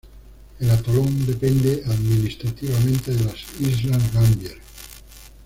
El atolón depende administrativamente de las islas Gambier.